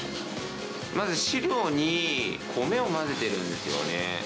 まず飼料に米を混ぜてるんですよね。